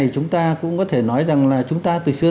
chúng ta cũng có thể nói rằng là chúng ta từ xưa